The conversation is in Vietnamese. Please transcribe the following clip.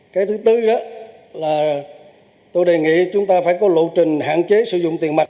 cái thứ tư là tôi đề nghị chúng ta phải có lộ trình hạn chế sử dụng tiền mặt